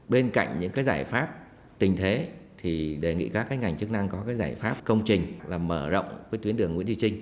bên cạnh những cái giải pháp tình thế thì đề nghị các ngành chức năng có cái giải pháp công trình là mở rộng với tuyến đường nguyễn duy trinh